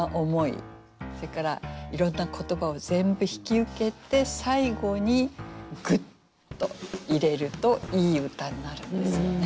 それからいろんな言葉を全部引き受けて最後にぐっと入れるといい歌になるんですよね。